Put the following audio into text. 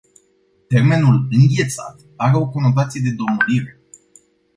Termenul "înghețat” are o conotație de domolire.